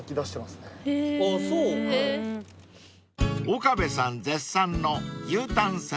［岡部さん絶賛の］